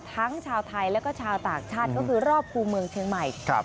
ทั้งชาวไทยแล้วก็ชาวต่างชาติก็คือรอบคู่เมืองเชียงใหม่